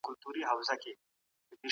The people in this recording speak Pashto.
شرمناک سړی ژر ستونزو سره مخ کیږي.